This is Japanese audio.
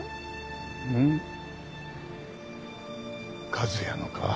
和哉のか。